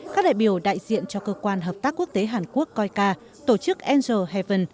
các đại biểu đại diện cho cơ quan hợp tác quốc tế hàn quốc coica tổ chức angel heaven